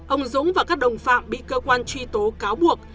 ông dũng và các đồng phạm bị cơ quan truy tố cáo buộc